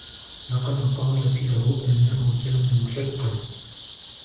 لقد قالت له أنه كان محقاً.